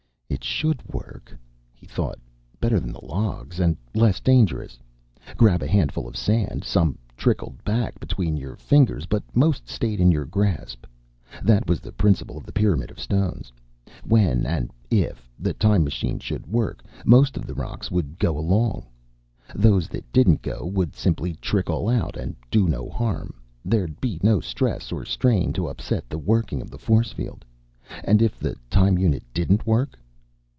It should work, he thought, better than the logs and less dangerous. Grab a handful of sand. Some trickled back between your fingers, but most stayed in your grasp. That was the principle of the pyramid of stones. When and if the time machine should work, most of the rocks would go along. Those that didn't go would simply trickle out and do no harm. There'd be no stress or strain to upset the working of the force field. And if the time unit didn't work?